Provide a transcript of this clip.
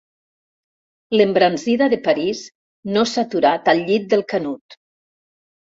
L'embranzida de París no s'ha aturat al llit del Canut.